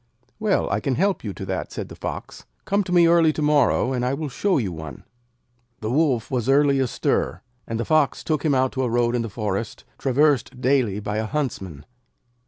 'Well, I can help you to that,' said the Fox. 'Come to me early to morrow, and I will show you one!' The Wolf was early astir, and the Fox took him out to a road in the forest, traversed daily by a Huntsman.